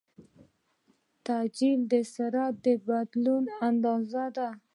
تعجیل د سرعت د بدلون اندازه ده.